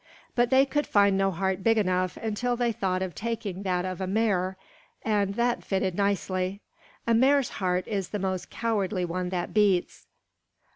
But they could find no heart big enough until they thought of taking that of a mare, and that fitted nicely. A mare's heart is the most cowardly one that beats.